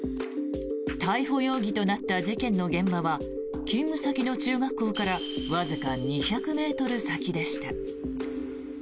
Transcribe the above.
逮捕容疑となった事件の現場は勤務先の中学校からわずか２００ｍ先でした。